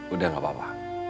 udah gak apa apa